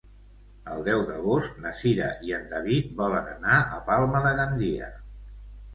El deu d'agost na Cira i en David volen anar a Palma de Gandia.